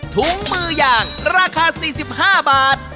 ถุงมือยางราคา๔๕บาท